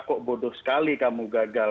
kok bodoh sekali kamu gagal